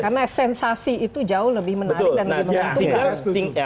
karena sensasi itu jauh lebih menarik dan lebih menentukan